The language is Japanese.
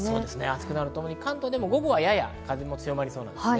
暑くなるとともに関東でも午後はやや風も強まります。